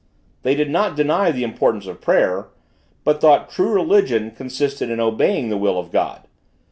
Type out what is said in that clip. They did not deny the importance of prayer, but thought true religion consisted in obeying the will of God.